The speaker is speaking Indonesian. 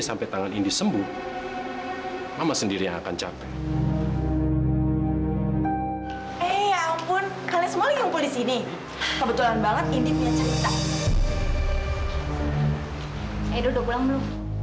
papa harus bicara sama fadil